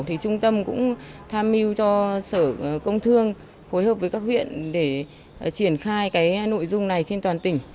thì trung tâm cũng tham mưu cho sở công thương phối hợp với các huyện để triển khai cái nội dung này trên toàn tỉnh